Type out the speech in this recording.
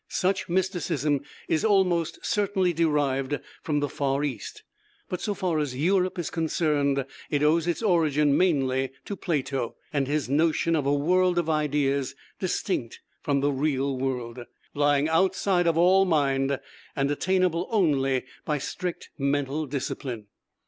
Such mysticism is almost certainly derived from the far East; but so far as Europe is concerned it owes its origin mainly to Plato, and his notion of a world of ideas distinct from the real world, lying outside of all mind, and attainable only by strict mental discipline.